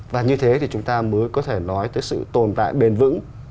và như thế thì chúng ta mới có thể nói tới sự tồn tại bền vững